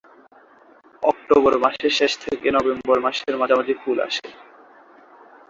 October মাসের শেষ থেকে নভেম্বর মাসের মাঝামাঝি ফুল আসে।